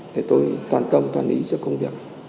để tôi toàn tâm toàn ý cho công việc